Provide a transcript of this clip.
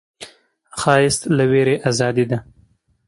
ښایست له ویرې ازادي ده